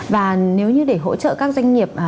và nếu như để hỗ trợ các doanh nghiệp